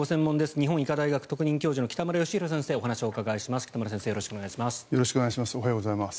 日本医科大学特任教授の北村義浩さんにお話を伺います。